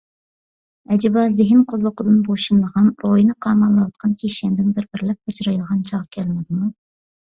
ئەجىبا زېھىن قۇللۇقىدىن بوشىنىدىغان، روھنى قاماللاۋاتقان كىشەندىن بىر بىرلەپ ئاجرايدىغان چاغ كەلمىدىمۇ؟